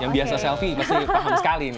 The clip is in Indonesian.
yang biasa selfie pasti paham sekali